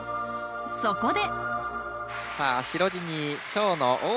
そこで。